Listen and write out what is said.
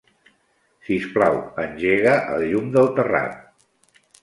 Sisplau, engega el llum del terrat.